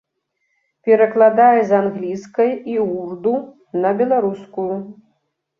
Перакладае з англійскай і ўрду на беларускую.